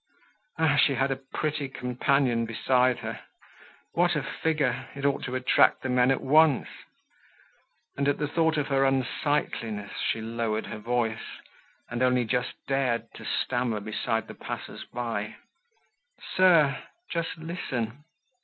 Ah! she had a pretty companion beside her! What a figure! It ought to attract the men at once! And at the thought of her unsightliness, she lowered her voice, and only just dared to stammer behind the passers by: "Sir, just listen."